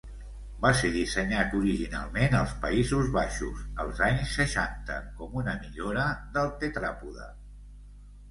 Va ser dissenyat originalment als Països Baixos als anys seixanta, com una millora del tetràpode.